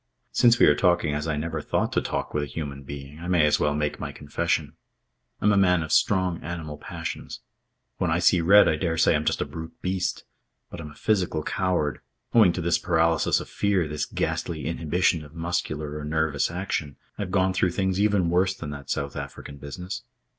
Since we are talking as I never thought to talk with a human being, I may as well make my confession. I'm a man of strong animal passions. When I see red, I daresay I'm just a brute beast. But I'm a physical coward. Owing to this paralysis of fear, this ghastly inhibition of muscular or nervous action, I have gone through things even worse than that South African business.